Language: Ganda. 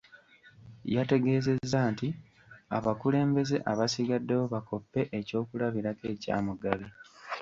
Yategeezezza nti abakulembeze abasigaddewo bakoppe eky’okulabirako ekya Mugabi